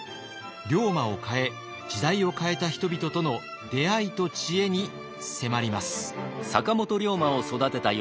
龍馬を変え時代を変えた人々との出会いと知恵に迫ります。